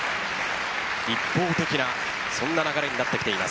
一方的なそんな流れになっています。